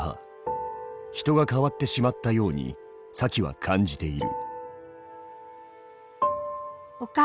人が変わってしまったようにサキは感じている。